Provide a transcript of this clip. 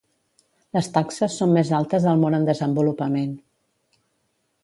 Les taxes són més altes al món en desenvolupament.